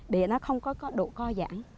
để nó không có độ co giãn